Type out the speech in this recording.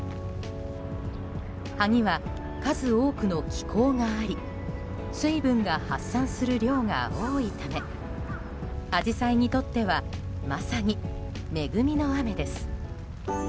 葉には数多くの気孔があり水分が発散する量が多いためアジサイにとってはまさに恵みの雨です。